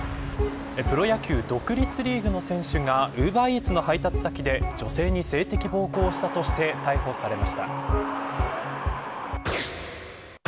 プロ野球独立リーグの選手がウーバーイーツの配達先で女性に性的暴行したとして逮捕されました。